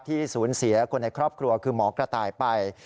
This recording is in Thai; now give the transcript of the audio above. ที่สูญเสียคนในครอบครัวคือหมอกระต่ายไป